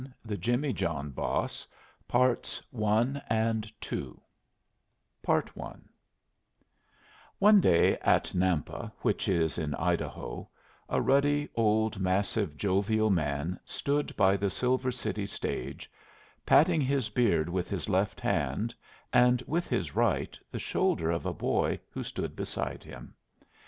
The Jimmyjohn Boss I One day at Nampa, which is in Idaho, a ruddy old massive jovial man stood by the Silver City stage, patting his beard with his left hand, and with his right the shoulder of a boy who stood beside him.